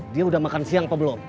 dia udah makan siang apa belum